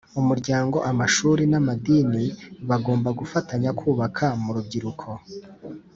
Umuryango amashuri n amadini bagomba gufatanya kubaka mu rubyiruko